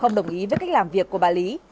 không đồng ý với cách làm việc của bà lý